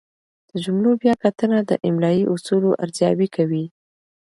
د جملو بیا کتنه د املايي اصولو ارزیابي کوي.